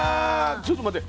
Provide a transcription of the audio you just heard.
ちょっと待って。